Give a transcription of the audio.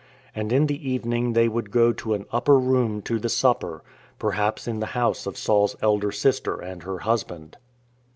And in the evening they would go to an upper room to the supper, perhaps in the house of Saul's elder sister and her husband.